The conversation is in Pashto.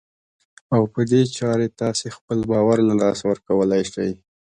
او په دې چارې تاسې خپل باور له لاسه ورکولای شئ.